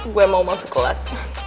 gue mau masuk kelas